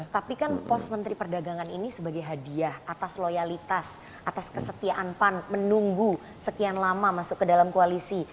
tapi kan pos menteri perdagangan ini sebagai hadiah atas loyalitas atas kesetiaan pan menunggu sekian lama masuk ke dalam koalisi